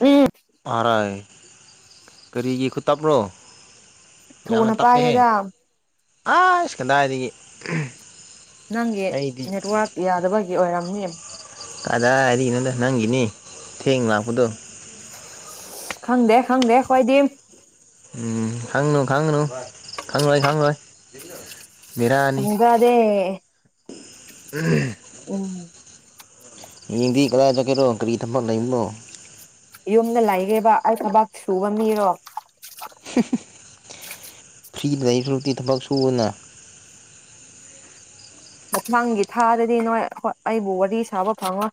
ꯎ ꯑꯔꯥꯏ ꯀꯔꯤꯒꯤ ꯈꯨꯇꯥꯥꯞꯕ꯭ꯔꯣ ꯊꯨꯅ ꯄꯑꯒ ꯑꯥ ꯏꯁꯀꯦꯟꯗꯥ ꯍꯥꯏꯔꯤꯗꯒꯤ ꯅꯪꯒꯤ ꯅꯦꯠꯋꯥꯔꯛ ꯌꯥꯗꯕꯒꯤ ꯑꯣꯏꯔꯝꯅꯤ ꯑꯗꯥ ꯍꯥꯏꯔꯤꯒꯤꯅꯣꯗ ꯅꯪꯒꯤꯅꯤ ꯊꯦꯡ ꯂꯥꯛꯄꯗꯣ ꯈꯪꯗꯦ ꯈꯪꯗꯦ ꯍꯣꯏꯗꯤ ꯎꯝ ꯈꯪꯅꯨ ꯈꯪꯅꯨ ꯈꯪꯪꯂꯣꯏ ꯈꯪꯣꯏ ꯍꯒꯥꯗꯦ ꯎꯝ ꯃꯤꯡꯗꯤ ꯀꯗꯥꯏ ꯆꯠꯀꯦꯔꯣ ꯀꯔꯤ ꯊꯝꯝꯕ ꯂꯩꯕꯅꯣ ꯌꯨꯝꯗ ꯂꯩꯒꯦꯕ ꯑꯩ ꯈꯨꯕꯥꯛ ꯁꯨꯕ ꯃꯤꯔꯣ [inaudible] ꯐ꯭ꯔꯤ ꯂꯩ ꯐꯨꯀꯤ ꯊꯕꯛ ꯁꯨꯅ ꯃꯊꯥꯡꯒꯤ ꯊꯥꯗꯗꯤ ꯅꯣꯏꯥꯏ ꯑꯩꯕꯨ ꯋꯥꯔꯤ ꯁꯥꯕ ꯐꯪꯉꯣꯏ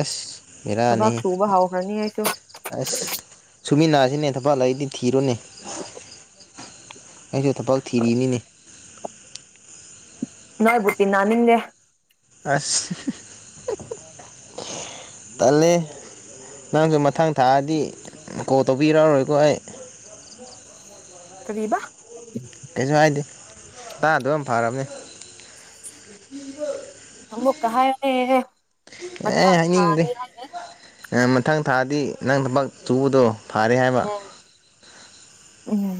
ꯑꯁ ꯕꯤꯔꯅꯤ ꯊꯕꯛ ꯁꯨꯕ ꯍꯧꯈ꯭ꯔꯅꯤ ꯑꯩꯁꯨ ꯑꯁ ꯁꯨꯃꯤꯟꯟꯅꯅꯥꯁꯤꯅꯦ ꯊꯐꯜꯂ ꯑꯩꯗꯤ ꯊꯤꯔꯣꯅꯦ ꯑꯩꯁꯨ ꯊ ꯄꯥꯎ ꯊꯤꯔꯤꯅꯤꯅꯦ ꯅꯣꯏꯣꯏꯕꯨꯇꯤꯟ ꯅꯅꯥ ꯅꯤꯡꯦ ꯑꯁ ꯇꯦ ꯅꯪꯁꯨ ꯃꯊꯥꯡ ꯊꯥꯛꯑꯗꯤ ꯀꯣꯜ ꯇꯧꯕꯤꯔꯛꯑꯔꯣꯏꯀꯣ ꯑꯩ ꯀꯗꯤꯕ ꯀꯩꯁꯨ ꯍꯥꯏꯗꯦ ꯇꯥꯗꯕꯅ ꯌꯥꯝ ꯐꯔꯕꯅꯤ ꯑꯃꯃꯕꯨ ꯀ ꯍꯥꯏ ꯑꯦ ꯍꯥꯏꯅꯤꯡꯗꯦ ꯃꯊꯪ ꯊꯥꯗꯤ ꯅꯪ ꯊꯕꯛ ꯆꯨꯕꯗꯣ ꯐꯥꯔꯦ ꯍꯥꯏꯕ ꯎꯝ ꯎꯝ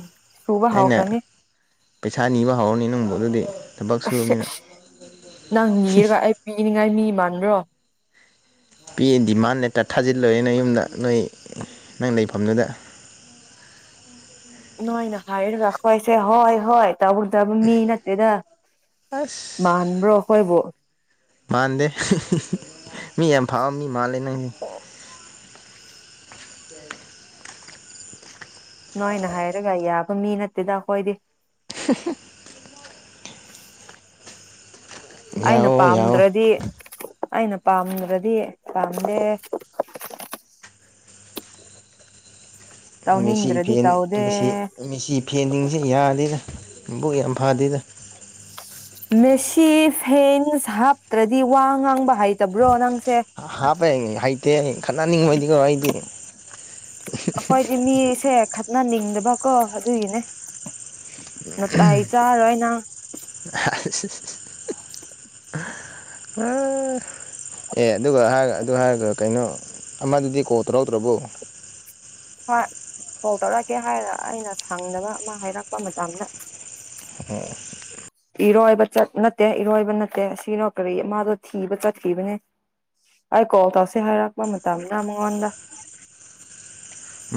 ꯁꯨꯕ ꯑꯩꯅ ꯍꯥꯥꯎꯈ꯭ꯔꯅꯦ ꯄꯩꯁꯥ ꯅꯤꯕ ꯍꯧꯔꯅꯤ ꯅꯪꯕꯨ ꯑꯗꯨꯗꯤ ꯊꯕꯛ ꯑꯁ ꯁꯨꯕꯅꯤꯅ ꯅꯪ ꯅꯤꯔꯒ ꯑꯩ ꯄꯤꯅꯤꯡꯉꯥꯏ ꯃꯤ ꯃꯥꯟꯗ꯭ꯔꯣ ꯄꯤ ꯗꯤꯃꯥꯟꯅꯦꯦꯛꯇ ꯊꯥꯖꯤꯜꯂꯣꯏ ꯅ ꯌꯨꯝꯗ ꯅꯣꯏ ꯅꯪ ꯂꯩꯐꯝꯗꯨꯗ ꯅꯣꯏꯅ ꯍꯥꯏꯔꯒ ꯈꯋꯥꯣꯏꯁꯦ ꯍꯣꯏ ꯍꯣꯏ ꯇꯥꯕꯨꯨꯔꯗꯕ ꯃꯤ ꯅꯠꯇꯦꯗ ꯑꯁ ꯃꯥꯟꯕ꯭ꯔꯈꯣꯏꯕꯨ ꯃꯥꯟꯗꯦ ꯃꯤ ꯌꯥꯝ ꯐꯥꯎ ꯃꯤ ꯃꯥꯜꯂꯦ ꯅꯪ ꯅꯣꯏꯅ ꯍꯥꯏꯔꯒ ꯌꯥꯕ ꯃꯤ ꯅꯠꯇꯦꯗ ꯑꯩꯈꯣꯏꯗꯤ [unintelligible] ꯑꯩꯅ ꯌꯥꯑꯣ ꯌꯥꯑꯣ ꯄꯥꯝꯗ꯭ꯔꯗꯤ ꯑꯩꯅ ꯄꯥꯝꯗ꯭ꯔꯗꯤ ꯄꯥꯝꯗꯦ ꯃꯦꯆꯤ ꯇꯧꯅꯤꯡꯗ꯭ꯔꯗꯤ ꯐꯦꯟ ꯇꯧꯗꯦ ꯃꯦꯆꯤ ꯐꯦꯟꯗꯤꯁꯤꯦ ꯌꯥꯗꯦꯔꯥ ꯕꯨꯛ ꯌꯥꯝ ꯐꯗꯦꯗ ꯃꯦꯁꯤ ꯐꯦꯟꯁ ꯍꯥꯞꯇ꯭ꯔꯗꯤ ꯋꯥ ꯉꯥꯡꯕ ꯍꯩꯇꯕ꯭ꯔꯣ ꯅꯪꯁꯦ ꯍꯥꯞꯄꯦ ꯍꯩꯇꯦ ꯈꯠꯍꯅꯤꯡꯕꯩꯗꯤꯀꯩꯅꯣ ꯑꯩꯗꯤ ꯑꯩꯈꯣꯏꯗꯤ ꯃꯤꯁꯦ ꯈꯠꯅꯅꯤꯡꯗꯕꯀꯣ ꯑꯗꯨꯒꯤꯅꯦ ꯅ ꯇ ꯏꯆꯔꯅ [inaudible] ꯑ ꯑꯦ ꯑꯗꯨꯒ ꯍꯥꯏꯔ ꯑꯗꯨ ꯍꯥꯏꯔꯒ ꯀꯩꯅꯣ ꯑꯃꯗꯨꯗꯤ ꯀꯣꯜ ꯇꯧꯔꯧꯗ꯭ꯔꯕꯣ ꯍꯣꯏ ꯀꯣꯜ ꯇꯧꯔꯛꯀꯦ ꯍꯥꯏꯔ ꯑꯩꯅ ꯁꯪꯗꯕ ꯑꯃ ꯍꯥꯏꯔꯛꯄ ꯃꯇꯝꯗ ꯑꯣ ꯏꯔꯣꯏꯕ ꯆꯠ ꯅꯠꯇꯦ ꯏꯔꯣꯏꯕ ꯅꯠꯇꯦ ꯑꯁꯤꯅꯣ ꯀꯔꯤ ꯃꯥꯗꯣ ꯊꯤꯕ ꯆꯠꯈꯤꯕꯅꯦ ꯑꯩ ꯀꯣ ꯇꯧꯁꯦ ꯍꯥꯏꯔꯛꯄ ꯃꯇꯝꯅ ꯃꯉꯣꯟꯗ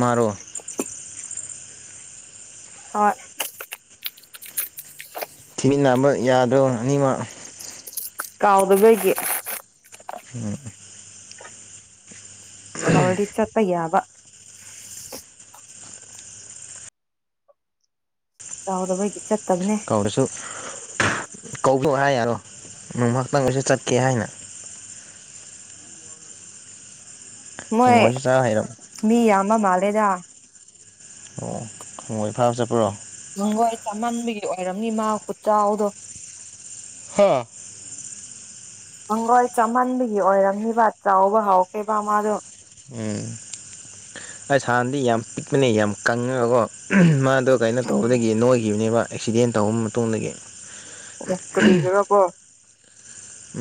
ꯃꯥꯔꯣ ꯍꯣꯏ ꯊꯤꯃꯤꯟꯅꯕ ꯌꯥꯗ꯭ꯔꯣ ꯑꯅꯤꯃꯛ ꯀꯥꯎꯗꯕꯒ ꯎꯝ ꯀꯧ ꯆꯄ ꯌꯥꯕ ꯌꯥꯥꯎꯗꯕꯩ ꯀꯔꯁꯨ ꯂꯣꯛ ꯍꯥꯏ ꯌꯥꯔꯣ ꯅꯣꯡꯍꯥꯛꯇꯪꯒꯤꯁꯨ ꯆꯠꯀꯦ ꯍꯥꯏꯅ ꯃꯣꯏ ꯍꯪꯉꯣꯏꯁꯨ ꯆꯥ ꯍꯩꯔꯝ ꯃꯤ ꯌꯥꯝꯕ ꯃꯥꯜꯂꯦꯗ ꯑꯣ ꯈꯪꯉꯣꯏ ꯏ ꯐꯥꯕ ꯆꯠꯄ꯭ꯔꯣ ꯍꯪꯒꯣꯏ ꯆꯥꯃꯟꯕꯒꯤ ꯑꯣꯏꯔꯝꯅꯤ ꯃꯥ ꯎꯆꯥꯎꯗꯣ ꯍꯣꯏ ꯍꯪꯒꯣꯏ ꯆꯃꯟꯕꯒꯤ ꯑꯣꯏꯔꯝꯅꯤꯕ ꯆꯥꯎꯕ ꯍꯥꯎꯈꯤꯕꯦꯕ ꯃꯥꯗꯣ ꯎꯝ ꯑꯩ ꯁꯥꯟꯅꯗꯤ ꯌꯥꯝ ꯄꯤꯛꯄꯅꯦ ꯌꯥꯝ ꯀꯪꯉꯕꯀꯣ ꯃꯥ ꯑꯣ ꯀꯥꯏꯣ ꯇꯧꯕꯗꯒꯤ ꯅꯣꯏꯈꯤꯕꯅꯦꯕ ꯑꯦꯛꯁꯤꯗꯦꯟ ꯇꯧ ꯃꯇꯨꯡꯗꯒꯤ ꯀꯒꯔꯄꯣ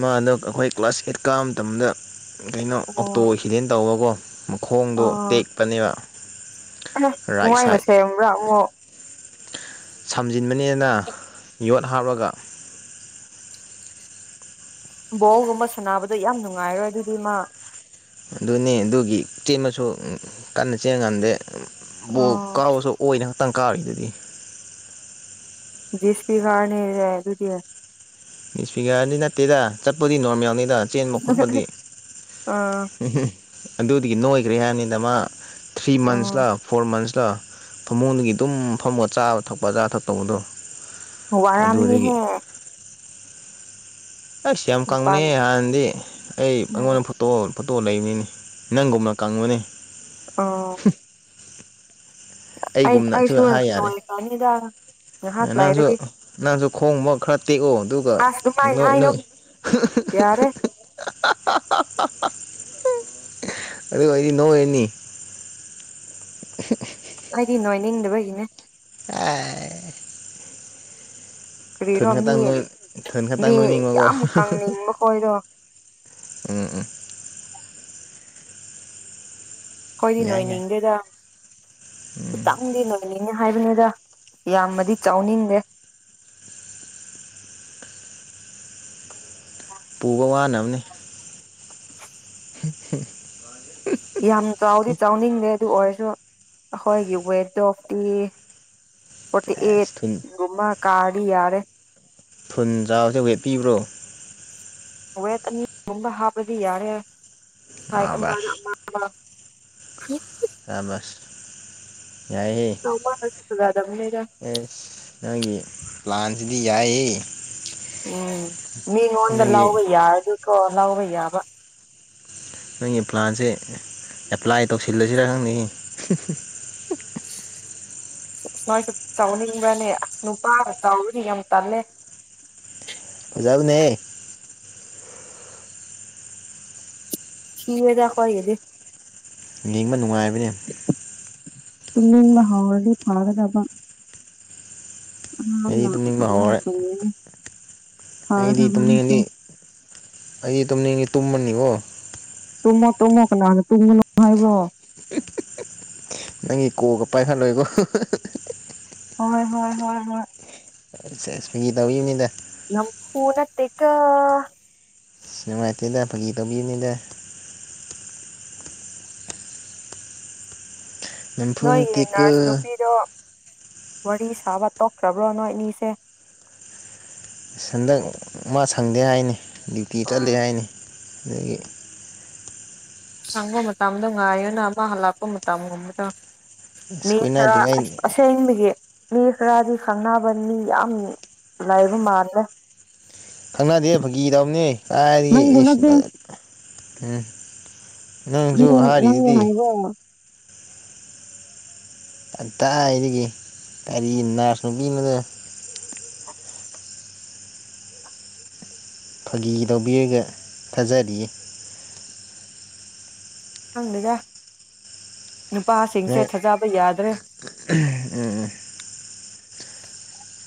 ꯃꯥꯗꯣ ꯑꯩꯈꯣꯏ ꯀ꯭ꯂꯥꯁ ꯑꯦꯠ ꯀꯥꯕ ꯃꯇꯝꯗ ꯀꯩꯅꯣ ꯑꯣ ꯑꯣꯛꯇꯣ ꯑꯦꯛꯁꯤꯗꯦꯟ ꯇꯧꯕꯀꯣ ꯈꯣꯡꯗꯨꯣ ꯇꯦꯛꯄꯅꯦꯕ ꯔꯥꯏꯠ ꯅꯨꯡꯉꯥꯏ ꯁꯥꯏꯠ ꯃꯁꯦ ꯑꯃꯥ ꯑꯃꯛ ꯁꯝꯖꯤꯟꯕꯅꯦꯅ ꯌꯣꯠ ꯍꯥꯞꯂꯒ ꯕꯣꯜꯒꯨꯝꯕ ꯁꯥꯟꯅꯕꯗꯣ ꯌꯥꯝ ꯅꯨꯡꯉꯥꯏꯔꯣꯏ ꯑꯗꯨꯗꯤ ꯃꯥ ꯑꯗꯨꯅꯦ ꯑꯗꯨꯒꯤ ꯆꯦꯟꯃꯁꯨ ꯀꯟꯅ ꯆꯦꯟꯉ ꯉꯥꯟꯗꯦ ꯕꯣ ꯑꯣ ꯀꯥꯎꯕꯁꯨ ꯑꯣꯏꯅ ꯈꯛꯇꯪ ꯀꯥꯔꯤꯗꯨꯗꯤ ꯤꯁꯄꯤꯒꯥꯔ ꯅꯩꯅ ꯌꯥ ꯑꯗꯨꯗꯤꯌꯥ ꯅꯤꯁꯄꯤꯒꯥꯥꯔꯗꯤ ꯅꯠꯇꯦꯗ ꯆꯠꯄꯗꯤ ꯅꯣꯔꯃꯦꯜꯅꯤ ꯗ ꯆꯦꯟꯕ ꯈꯣꯠꯄꯗꯤ ꯑꯥ ꯎꯝ ꯑꯗꯨꯗꯒꯤ ꯅꯣꯏꯈ꯭ꯔꯦ ꯍꯥꯏꯔꯅꯤꯗ ꯃꯥ ꯊ꯭ꯔꯤ ꯎꯝ ꯃꯟꯁꯂ ꯐꯣꯔ ꯃꯟꯁ ꯐꯃꯨꯡꯗꯒꯤ ꯑꯗꯨꯝ ꯐꯝꯃꯣꯒ ꯆꯥꯕ ꯊꯛꯄ ꯑꯆꯥ ꯊꯛꯛꯇꯧꯕꯗꯣ ꯋꯥꯔꯅꯤꯃꯤ ꯍꯦ ꯑꯁ ꯌꯥꯝ ꯀꯪꯕꯅꯦ ꯅꯤꯄꯥꯟ ꯍꯥꯟꯅꯗꯤ ꯑꯩ ꯎꯝ ꯑꯩꯉꯣꯟꯗ ꯐꯣꯠꯇꯣ ꯇꯣ ꯂꯩꯕꯅꯤꯅꯤ ꯅꯪꯒꯨꯝꯅ ꯀꯪꯉꯨꯅꯦ ꯑ ꯑꯁꯨꯃ ꯍꯥꯏ ꯅꯣ ꯌꯥꯔꯦ ꯐꯥꯅꯤꯗꯒ ꯅꯪꯁꯨ ꯅꯪꯁꯨ ꯈꯣꯡꯕ ꯈꯔ ꯇꯦꯛꯑꯣ ꯑꯗꯨꯒ ꯑꯁ ꯑꯗꯨꯃꯥꯏꯅ ꯅꯣꯏ ꯍꯥꯏꯅꯨ ꯅꯣꯏ ꯌꯥꯔꯦ ꯑꯗꯨ ꯑꯣꯏꯗꯤ ꯅꯣ ꯑꯦꯅꯤ [inaudible] ꯑꯩꯗꯤ ꯅꯣꯏ ꯅꯤꯡꯗꯕꯒꯤꯅꯦ ꯑꯦ ꯊꯟ ꯀꯔꯤꯔꯣ ꯃꯤ ꯀꯇꯪ ꯅꯣꯏ ꯊꯟ ꯈꯇꯪ ꯃꯤ ꯅꯣꯏꯃ ꯎꯝ ꯌꯥꯝ ꯀꯪꯅꯤꯡꯕ ꯈꯣꯏꯗꯣ ꯎꯝ ꯑꯩꯣꯏꯗꯤ ꯌꯥꯏ ꯌꯥꯏ ꯅꯣꯏꯅꯤꯡꯗꯦꯗ ꯈꯤꯇꯪꯗꯤ ꯅꯣꯏꯅꯤꯡꯉꯦ ꯍꯥꯏꯕꯅꯤ ꯗ ꯌꯥꯝꯃꯗꯤ ꯆꯥꯎꯅꯤꯡꯗꯦ ꯄꯨꯕ ꯋꯥꯅꯕꯅꯤ [inaudible] ꯍ ꯌꯥꯝ ꯆ ꯆꯥꯎꯥꯎꯔꯤ ꯆꯥꯎꯅꯤ ꯑꯗꯨ ꯑꯣꯏꯔꯁꯨ ꯑꯩꯈꯣꯏꯒꯤ ꯋꯦꯠ ꯗꯣꯐꯇꯤ ꯐꯠꯇꯤ ꯑꯦꯁ ꯊꯨꯟ ꯨꯃꯥ ꯀꯥꯔꯤ ꯌꯥꯔꯦ ꯊꯨꯟ ꯆꯥꯕꯁꯦ ꯋꯦꯠꯄꯤꯕ꯭ꯔꯣ ꯋꯦꯠ ꯑꯅꯤꯒꯨꯝꯕ ꯍꯥꯞꯄꯗꯤ ꯌꯥꯔꯦ ꯍꯥꯏꯠ ꯑꯥ ꯑꯃꯅ ꯑꯃ ꯑꯃ ꯍ ꯑꯕꯁ ꯌꯥꯏꯍꯦ ꯆꯥꯎꯃꯜꯂꯁꯨ ꯐꯖꯗꯕꯅꯤꯗ ꯑꯦꯁꯦ ꯂ꯭ꯂꯥꯟꯆꯗꯤ ꯌꯥꯏ ꯎꯝ ꯃꯤꯉꯣꯟꯗ ꯅꯣꯏꯒꯤ ꯂꯕ ꯌꯥꯔꯗꯤꯀꯣ ꯂꯕ ꯌꯥꯕ ꯅꯣꯏꯒꯤ ꯄ꯭ꯂꯥꯟꯁꯦ ꯑꯦꯄ꯭ꯂꯥꯏ ꯇꯧꯁꯤꯜꯂꯁꯤꯔ ꯈꯪꯅꯤꯡꯉꯤ ꯑ ꯑꯁ ꯅꯣꯏꯁꯨ ꯆꯥꯎꯅꯤꯡꯕ꯭ꯔꯅꯦ ꯑꯁ ꯅꯨꯄꯥꯒ ꯆꯥꯎꯔꯅꯤ ꯌꯥꯝ ꯇꯜꯂꯦ ꯖꯥꯎꯅꯦ ꯁꯤꯤꯔꯗꯈꯣꯌꯦꯗꯤ ꯌꯦꯡꯕ ꯅꯨꯡꯉꯥꯏꯕꯅꯤ ꯇꯃꯤ ꯃꯍ ꯍꯥꯎꯜꯗꯤ ꯐꯥꯒꯗꯕ ꯑꯩ ꯑꯉꯥꯡꯅ ꯑꯗꯨꯝ ꯅꯤꯡꯕ ꯐꯖꯅ ꯍꯧꯔꯦ ꯇꯨꯝꯒꯅꯤ ꯑꯩꯗꯤ ꯐꯥꯒꯗꯕ ꯑꯩꯁꯨ ꯇꯨꯝꯅꯤꯡꯉꯗꯤ ꯑꯩꯗꯤ ꯇꯨꯝꯅꯤꯡꯉꯗꯤ ꯇꯨꯝꯕꯅꯤꯀꯣ ꯇꯃ ꯇꯃ ꯀ ꯅ ꯇꯨꯡꯉꯕꯣ ꯅꯪꯒꯤ ꯀꯣꯛꯒ ꯄꯥꯏꯍꯜꯂꯣꯏꯀꯣ ꯍꯣꯏ ꯍꯣꯏ ꯍꯣꯏ ꯍꯣꯏ ꯁ꯭ꯋꯒꯤ ꯇꯧꯤꯕꯅꯤꯗ ꯌꯥꯝ ꯄꯨꯅꯠꯇꯦꯛ ꯀ ꯁꯥꯏꯇꯂ ꯑꯒ ꯒꯤ ꯇꯕꯤꯤꯅꯤꯂ ꯅꯝꯐꯨ ꯅꯣꯏꯌꯦ ꯅꯠꯇꯦꯀꯣ ꯅꯔꯁ ꯅꯨꯄꯤꯗꯣ ꯋꯥꯔꯤ ꯁꯥꯕ ꯇꯣꯛꯈ꯭ꯔꯕ꯭ꯔꯣ ꯅꯣꯏ ꯏꯅꯤꯁꯦ ꯍꯟꯗꯛ ꯃꯥ ꯁꯪꯗꯦ ꯍꯥꯏꯅꯤ ꯗ꯭ꯌꯨꯇꯤ ꯑꯣ ꯆꯠꯂꯦ ꯍꯥꯏꯅꯤ ꯑꯗꯒꯤ ꯁꯪꯕ ꯃꯇꯝꯗꯣ ꯉꯥꯏꯌꯅ ꯑꯃ ꯍꯜꯂꯛꯄ ꯃꯇꯝꯒꯨꯝꯕꯗ ꯑꯁ ꯃꯤ ꯊ ꯀꯣꯏꯅꯗ꯭ꯔꯤꯉꯩ ꯑꯁꯦ ꯍꯥꯏꯕꯒꯤꯦ ꯃꯤ ꯈꯔꯗꯤ ꯈꯪꯅꯕ ꯃꯤ ꯌꯥꯝ ꯂꯥꯏꯕ ꯃꯥꯜꯂꯦ ꯈꯪꯅꯗꯦ ꯐꯥꯒꯤ ꯇꯧꯅꯤ ꯀꯥꯏꯗꯒꯤ ꯅꯪꯕꯨ ꯅꯠꯇꯦ ꯎꯝ ꯅꯪꯁꯨ ꯅꯪ ꯅꯪꯒꯤ ꯍꯔꯤꯗꯨꯤꯗꯤ ꯍꯥꯏꯕ ꯑ ꯇ ꯍꯥꯏꯔꯤꯒ ꯀꯔꯤꯅꯥꯁ ꯅꯨꯨ ꯀꯅꯗꯣ ꯐꯥꯒꯤ ꯂꯧꯕꯤꯔꯒ ꯊꯥꯖꯔꯤꯌꯦ ꯍꯪꯗꯦꯗ ꯅꯨꯄꯥꯁꯤꯡꯁꯦ ꯅꯣꯏ ꯊꯥꯖꯕ ꯌꯥꯗ꯭ꯔꯦ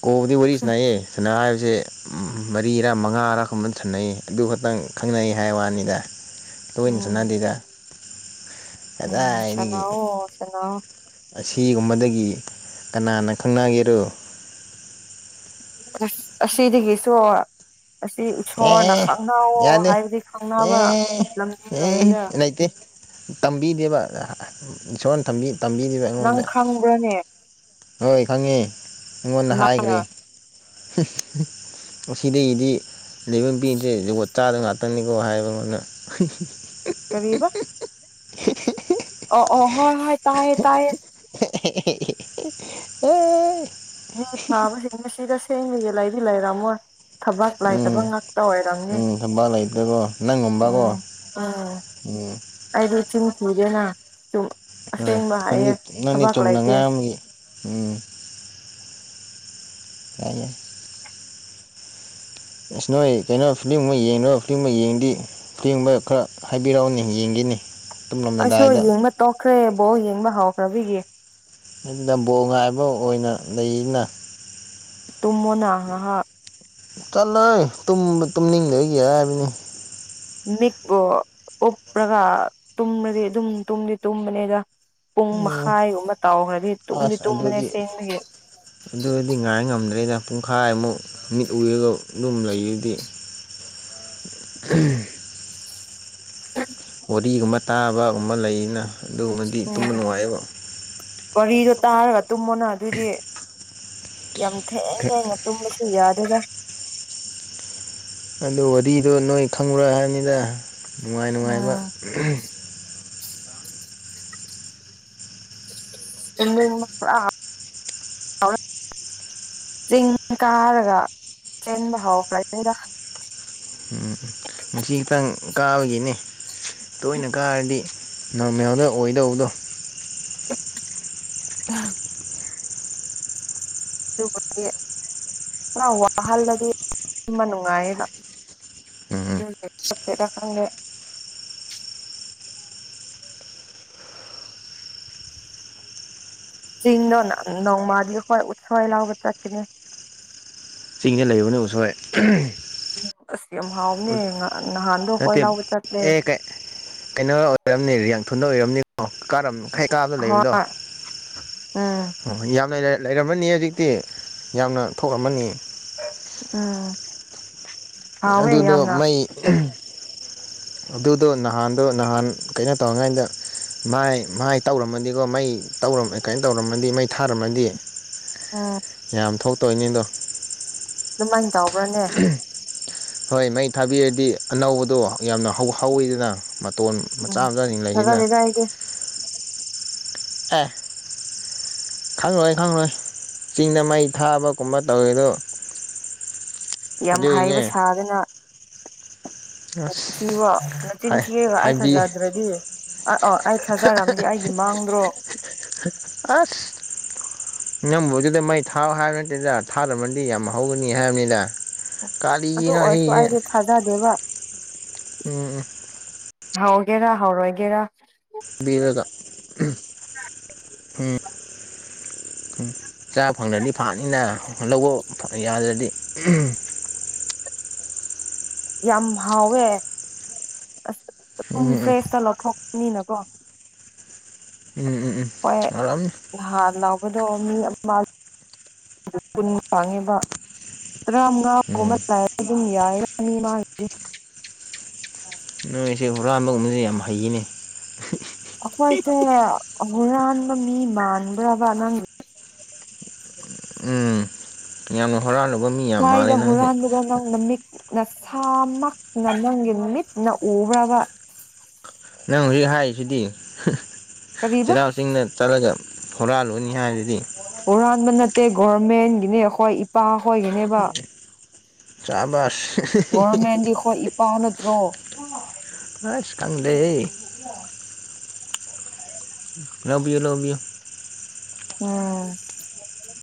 ꯀꯐꯗꯤ ꯋꯥꯔꯤ ꯁꯅꯥꯏꯑꯦ ꯁꯅꯥ ꯁꯦ ꯃꯔꯤꯔꯥ ꯃꯉꯥꯔꯥ ꯀꯨꯝꯕꯪ ꯁꯥꯟꯅꯩ ꯑꯗꯨ ꯈꯛꯇꯪ ꯈꯪꯅꯩ ꯍꯥꯏ ꯋꯥꯅꯤꯗ ꯂꯣꯏꯅ ꯎꯝ ꯁꯥꯟꯅꯗꯗ ꯎꯝ ꯀꯗꯥꯏꯗꯒꯤ ꯁꯥꯟꯅꯧꯑꯣ ꯁꯥꯟꯅꯧ ꯑꯁꯤꯒꯨꯝꯕꯗꯒꯤ ꯀꯅꯥꯅ ꯈꯪꯅꯒꯦꯔꯣ꯫ ꯑꯁ ꯑꯁꯤꯗꯒꯤꯁꯨ ꯑꯁꯤ ꯏꯁꯁꯣꯔꯅ ꯑꯦ ꯈꯪꯅꯋꫭ ꯌꯥꯗꯦ ꯍꯥꯏꯕꯗꯤ ꯈꯪꯅꯕ ꯑꯦ ꯂꯝꯕꯤ ꯑꯦ ꯂꯩꯌꯦꯗ꯫ ꯂꯩꯇꯦ ꯇꯝꯕꯤꯗꯦꯕ ꯏꯁꯣꯔ ꯇꯝꯕꯤꯗꯕ ꯅꯪ ꯑꯩꯉꯣꯟꯗ꯫ ꯈꯪꯕ꯭ꯔꯅꯦ ꯍꯣꯏ ꯈꯪꯉꯦ ꯑꯩꯉꯣꯟꯗ ꯀꯃꯥꯏꯅ ꯍꯥꯏꯈ꯭ꯔꯦ꯫ ꯑꯁꯤꯗꯒꯤꯗꯤ ꯂꯩꯐꯝ ꯄꯤꯗ꯭ꯔꯦ ꯋ ꯆꯥꯗ ꯉꯥꯛꯇꯅꯤꯀꯣ ꯍꯥꯏꯕꯉꯣꯟꯗ ꯀꯔꯤꯕ [inaudible] ꯍ ꯍ ꯇꯥꯏ ꯇꯥꯏ ꯑꯣ ꯃꯤ ꯊꯥꯕꯁꯤ ꯉꯁꯤ ꯇꯁꯦꯡꯅ ꯌꯦꯂꯥꯏꯗꯤ ꯂꯩꯔꯝꯃꯣꯏ ꯊꯕꯛ ꯂꯥꯏꯇꯕ ꯎꯝ ꯉꯥꯛꯇ ꯑꯣꯏꯔ ꯎꯝ ꯊꯕꯛ ꯂꯩꯇ꯭ꯔꯦꯀꯣ ꯎꯝ ꯅꯪꯒꯨꯝꯕꯀꯣ ꯎꯝ ꯎꯝ ꯑꯩꯔꯤꯕ ꯊ ꯁꯤꯗꯅ ꯍꯣꯏ ꯅꯪꯗꯤ ꯅꯪꯗꯤ ꯆꯨꯝꯅ ꯂꯩꯇꯦ ꯉꯥꯏ ꯑꯃꯒꯤꯒꯤ ꯎꯝ ꯇꯃꯣ ꯏꯁ ꯅꯣꯏ ꯀꯩꯅꯣ ꯐꯤꯂꯝ ꯑꯃ ꯌꯦꯡꯗꯣꯏ ꯐꯤꯂꯝ ꯑꯃ ꯌꯦꯡꯗꯤ ꯐꯤꯂꯝꯃ ꯈꯔ ꯍꯥꯏꯕꯤꯔꯛꯎꯅꯤ ꯌꯦꯡꯈꯤꯅꯤ ꯑꯩꯁꯨ ꯌꯦꯡꯕ ꯇꯣꯛꯈ꯭ꯔꯦꯕꯣ ꯌꯦꯡꯕ ꯍꯧꯥꯎꯈ꯭ꯔꯕꯤꯒꯤ ꯑꯗꯨꯅ ꯕꯣ ꯉꯥꯏꯕ ꯑꯣꯏꯅ ꯂꯩꯅ ꯇꯨꯃꯅ ꯍꯥ ꯆꯠꯂꯣꯏ ꯇꯨꯝꯅꯤꯡꯗꯒꯤ ꯍꯥꯏꯕꯅꯤ ꯃꯤꯛꯄꯨ ꯎꯞꯔꯒ ꯇꯨꯝꯕꯗꯤ ꯑꯗꯨꯝ ꯇꯨꯝꯗꯤ ꯇꯨꯝꯕꯅꯤꯗ ꯄꯨꯡ ꯎꯝ ꯃꯈꯥꯏꯒꯨꯝꯕ ꯇꯥꯎꯈ꯭ꯔꯗꯤ ꯇꯨꯝꯗꯤ ꯑꯁ ꯇꯨꯝꯕꯅꯦ ꯑꯗꯨꯗꯤ ꯁꯦꯡꯒꯤ ꯑꯗꯨꯗꯤ ꯉꯔ ꯉꯝꯗ꯭ꯔꯦꯗ ꯄꯨꯡꯈꯥꯏꯃꯨꯛ ꯃꯤꯠ ꯎꯏꯔꯒ ꯑꯗꯨꯝ ꯂꯩꯔꯗꯤ꯫ [inaudible] ꯋꯥꯔꯤꯒꯨꯝꯕ ꯇꯥꯕꯒꯨꯝꯕ ꯂꯩꯅ ꯑꯗꯨꯒꯨꯝꯕꯗꯤ ꯎꯝ ꯇꯨꯝꯕ ꯅꯨꯡꯉꯥꯏꯌꯦꯕ꯫ ꯋꯥꯔꯤꯗꯣ ꯇꯥꯔꯒ ꯇꯨꯝꯑꫭꯅ ꯑꯗꯨꯏꯗꯤ꯫ ꯌꯥꯝ ꯊꯦꯡ ꯊꯦꯡꯅ ꯇꯨꯝꯕꯁꯨ ꯌꯥꯗꯦꯗ꯫ ꯑꯗꯨ ꯋꯥꯔꯤꯗꯣ ꯅꯣꯏ ꯈꯪꯉꯨꯔ ꯍꯥꯏꯅꯤꯗ ꯅꯨꯡꯉꯥꯏ ꯅꯨꯡꯉꯥꯏꯕ꯫ [unintelligible] ꯆꯤꯡ ꯀꯥꯔꯒ ꯆꯦꯟꯕ ꯍꯧꯎꯈ꯭ꯔꯒꯦꯗ꯫ ꯉꯁꯤ ꯈꯤꯇꯪ ꯀꯥꯕꯒꯤꯅꯦ ꯇꯣꯏꯅ ꯀꯥꯔꯗꯤ ꯅꯣꯡꯃꯦꯌꯥꯝꯗ ꯑꯣꯏꯗꯧꯕꯗꯣ [unintelligible] ꯑꯗꯨꯕꯨꯒꯤ ꯈꯔ ꯋꯥꯍꯜꯂꯗꯤ ꯇꯨꯝꯚ ꯅꯨꯡꯉꯥꯏꯌꯦꯕ꯫ ꯎꯝ [unintelligible] [unintelligible] ꯆꯤꯡꯅ ꯅꯧꯃꯥꯗꯤ ꯍ ꯎꯠꯁꫭꯏ ꯂꯑꯡꯧꯕ ꯆꯠꯀꯤꯅꯤ꯫ ꯆꯤꯡꯗ ꯂꯩꯕꯅꯤ ꯎꯁꯣꯏ ꯎ ꯑꯁ ꯌꯥꯝ ꯍꯥꯎꯕꯅꯦ ꯅꯍꯥꯟꯗꯣ ꯅꯠꯇꯦ ꯀꯣꯏ ꯂꯥꯎꯕ ꯆꯠꯂꯦ꯫ ꯑꯦ ꯀꯩꯅꯣ ꯑꯣꯏꯔꯝꯅꯤ ꯔꯤꯌꯥꯡꯊꯨꯗ ꯑꯣꯏꯔꯕꯝꯅꯤꯀꯣ ꯀꯥꯔꯝ ꯍꯩ ꯀꯥꯕꯅ ꯂꯩꯕꯗꯣ ꯍꯣꯏ ꯎꯝ ꯑꯣ ꯌꯥꯝ ꯂꯩꯔꯦ꯫ ꯂꯩꯔꯝꯃꯅꯤ ꯍꯧꯖꯤꯛꯇꯤ ꯌꯥꯝꯅ ꯊꯣꯛꯔꯝꯃꯅꯤ꯫ ꯎꯝ꯫ ꯍꯥꯎꯋꯦ ꯑꯗꯨꯗꫭ ꯌꯥꯝꯅ ꯃꯩ ꯑꯗꯨꯗꯣ ꯅꯍꯥꯟꯗꯣ ꯅꯍꯥꯟ ꯀꯩꯅꯣ ꯇꯧꯔꯤꯉꯩꯗ ꯃꯥꯏ ꯃꯥꯏ ꯇꯧꯔꯝꯃꯗꯤꯀꯣ ꯃꯩ ꯇꯧꯔꯝ ꯀꯥꯏ ꯇꯧꯔꯝꯃꯗꯤ ꯃꯩ ꯊꯥꯔꯝꯃꯗꯤ ꯑꯥ꯫ ꯌꯥꯝ ꯊꯣꯛꯇꯣꯏꯅꯤꯗꯣ꯫ ꯑꯗꯨꯃꯥꯏꯅ ꯇꯥꯎꯕ꯭ꯔꯥꯅꯦ꯫ ꯍꯣꯏ ꯃꯩ ꯊꯥꯕꯤꯔꯗꯤ ꯑꯅꯧꯕꯗꯣ ꯌꯥꯝꯅ ꯍꯧ ꯍꯧꯋꯤꯗꯅ꯫ ꯃꯇꯣꯟ ꯃꯆꯥ ꯎꯝ ꯃꯆꯥꯁꯤꯡ ꯂꯩꯁꯤꯅ ꯊꯥꯖꯗꯦꯗ ꯑꯩꯗꯤ ꯑꯦ ꯈꯪꯂꯉꯣꯏ ꯈꯪꯂꯣꯏ ꯆꯤꯡꯗ ꯃꯩ ꯊꯥꯕꯒꯨꯝꯕ ꯇꯧꯋꯦꯗꯣ ꯌꯥꯝ ꯍꯥꯏꯕ ꯁꯥꯗꯅ ꯑꯁ ꯊꯤ ꯋꯥ ꯅ ꯡꯆꯤꯟꯊꯤꯔ ꯑꯩ ꯍꯥꯏꯕꯤ ꯊꯖꯗ꯭ꯔꯗꯤ꯫ ꯑ ꯑꫭ ꯑꯩ ꯊꯥꯖꯔꯝꯗꯤ ꯑꯩꯒꯤ ꯃꯥꯡꯗ꯭ꯔꯣ꯫ ꯑꯁ ꯅꯝꯕꯨꯗꯤꯗ ꯃꯩ ꯊꯥꯑꫭ ꯍꯥꯏꯕ ꯅꯠꯇꯦꯗ ꯊꯥꯗꯝꯃꯗꯤ ꯌꯥꯝ ꯍꯧꯒꯅꯤ ꯍꯥꯏꯕꯅꯤꯗ꯫ ꯑꯗꯨ ꯀꯥꯂꯤꯒꯤꯅ ꯑꯣꯏꯔꯁꯨ ꯍꯤꯒꯦ꯫ ꯑꯩꯗꯤ ꯊꯥꯖꯗꯦꯕ ꯎꯝ꯫ ꯍꯥꯎꯒꯦꯔꯥ ꯍꯥꯎꯔꯣꯏꯒꯦꯔꯥ꯫ ꯕꯤꯔꯒ ꯎꯝ ꯎ ꯆꯥꯛ ꯐꯪꯗ꯭ꯔꯗꯤ ꯐꯥꯅꯤꯅ ꯂꯧꯕ ꯌꯥꯗ꯭ꯔꯗꯤ꯫ ꯌꯥꯝ ꯍꯥꯎꯋꯦ ꯑꯁ ꯑꯗꯨꯝ ꯎꯝ ꯐ꯭ꯔꯦꯁꯇ ꯂꯧꯊꯣꯛ ꯅꯤꯅꯀꯣ ꯎꯝ ꯎꯝ ꯎꯝ ꯎꯝ ꯍꯣꯏ ꯌꯥꯔꯝꯅꯤ ꯂꯍꯥꯟ ꯂ ꯄꯗꯣ ꯃꯤ ꯑꯃ ꯀ ꯐꯥꯡꯉꯤꯕ ꯇꯔꯥꯃꯉꯥꯥꯒꯨꯝꯕ ꯎꯝ ꯂꯩꯔ ꯑꯗꯨꯝ ꯌꯥꯏꯅꯤ ꯃꯥꯒꯤꯗꯤ꯫ ꯅꯣꯏꯁꯦ ꯍꯨꯔꯥꯟꯕꯒꯨꯝꯕꯁꯦ ꯌꯥꯝ ꯍꯩꯌꯦꯅꯦ꯫ ꯈꯣꯏꯁꯦ ꯍꯨꯔꯥꯟꯕ ꯃꯤ ꯃꯥꯟꯕ꯭ꯔꯕ ꯅꯪꯒꯤ ꯎꯝ ꯌꯥꯅꯣ ꯀꯥꯏꯗ ꯍꯔꯍꯟꯒ ꯅ ꯅꯃꯤꯛ ꯅꯁꯥꯃꯛꯅ ꯅꯪꯒꯤ ꯅꯨꯃꯤꯠꯅ ꯎꯕ꯭ꯔꯕ ꯅꯪ ꯍꯧꯖꯤꯛ ꯍꯥꯏꯔꯤꯁꯤꯗꯤ ꯀꯔꯤꯕ ꯆꯩꯤꯜꯔꯥꯎ ꯆꯤꯡꯗ ꯆꯠꯂꯒ ꯍꯨꯔꯥꯜꯂꯨꯅꯤ ꯍꯥꯏꯗꯨꯗꯤ ꯍꯨꯔꯥꯟꯕ ꯅꯠꯇꯦ ꯒꯔꯃꯦꯟꯒꯤꯅꯦ ꯑꯩꯈꯣꯏ ꯏꯄꯥꯈꯣꯏꯒꯤꯅꯦꯕ ꯆꯥꯕꯁ ꯒꯔꯃꯦꯟꯗꯤꯈꯣꯏ ꯏꯄꯥꯥꯎ ꯅꯠꯇ꯭ꯔꯣ ꯑꯁꯀꯪꯗ ꯂꯕꯤꯌꯣ ꯂꯕꯤꯌꯣ ꯎꯝ